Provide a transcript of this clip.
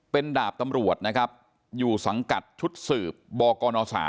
เป็นดาบตำรวจนะครับอยู่สังกัดชุดสืบบกน๓